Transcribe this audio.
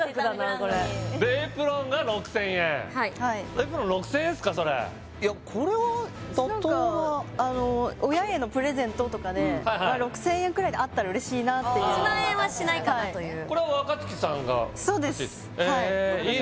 これでエプロンが６０００円はいエプロン６０００円ですかそれいやこれは妥当な私何かあの親へのプレゼントとかではいはい６０００円くらいであったら嬉しいなっていう１万円はしないかなというはいこれは若月さんが欲しいとそうですはい私が選びました